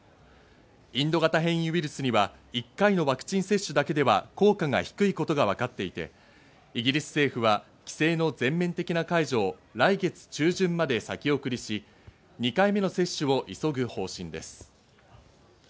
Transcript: インド型変異ウイルスには１回のワクチン接種だけでは効果が低いことがわかっていて、イギリス政府は規制の全面的な解除を来月中旬まで先送りし、２回目の接種を急ぐ方針です。